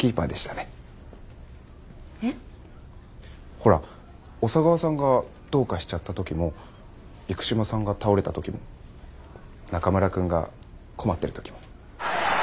ほら小佐川さんがどうかしちゃった時も生島さんが倒れた時も中村くんが困ってる時も。